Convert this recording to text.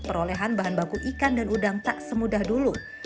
perolehan bahan baku ikan dan udang tak semudah dulu